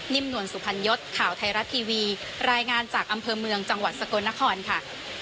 นวลสุพรรณยศข่าวไทยรัฐทีวีรายงานจากอำเภอเมืองจังหวัดสกลนครค่ะ